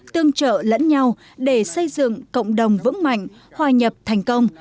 tương trợ lẫn nhau để xây dựng cộng đồng vững mạnh hòa nhập thành công